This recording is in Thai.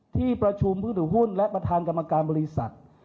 ที่ประชุมผู้ถือหุ้นและประธานกรรมการบริษัท